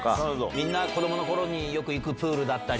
みんな子供の頃によく行くプールだったり。